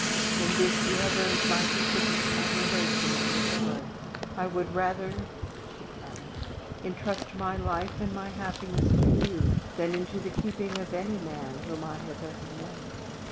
In this you have earned my deepest admiration and regard. I would rather," she cried, "intrust my life and my happiness to you than into the keeping of any man whom I have ever known!